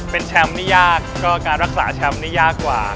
เป็นแชมป์นี่ยากก็การรักษาแชมป์นี่ยากกว่า